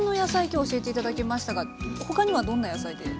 今日教えて頂きましたが他にはどんな野菜で？